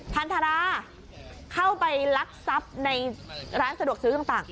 พันธราเข้าไปลักทรัพย์ในร้านสะดวกซื้อต่าง